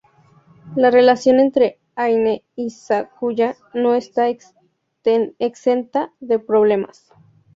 La relación entre Aine y Sakuya no está exenta de problemas.